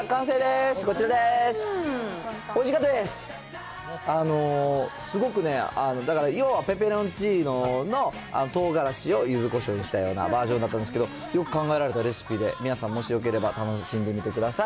すごくね、要はペペロンチーノのトウガラシをゆずこしょうにしたようなバージョンだったんですけど、よく考えられたレシピで、皆さん、もしよければ楽しんで見てください。